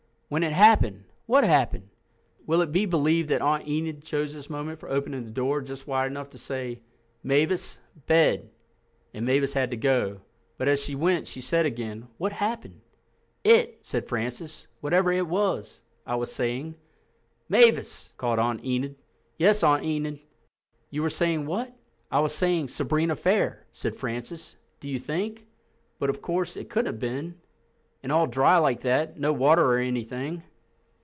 "When it happened." "What happened?" Will it be believed that Aunt Enid chose this moment for opening the door just wide enough to say, "Mavis—bed." And Mavis had to go. But as she went she said again: "What happened?" "It," said Francis, "whatever it was. I was saying...." "MAVIS!" called Aunt Enid. "Yes, Aunt Enid—you were saying what?" "I was saying, 'Sabrina fair,'" said Francis, "do you think—but, of course, it couldn't have been—and all dry like that, no water or anything."